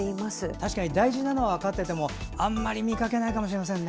確かに大事なのは分かっててもあまり見かけないかもしれませんね。